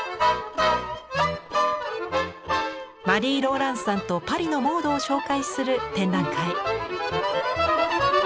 マリー・ローランサンとパリのモードを紹介する展覧会。